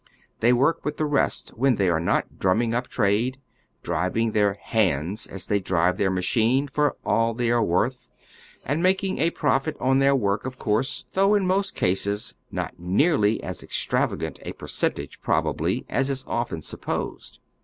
They work with the rest when they are not drunnning np trade, driving their " hands " as they drive their machine, for all they are worth, and making a profit on their work, of course, though in most cases not nearly as extravagant a percentage, probably, as is often supposed.